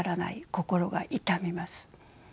心が痛みます。